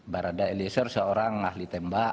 barada eliezer seorang ahli tembak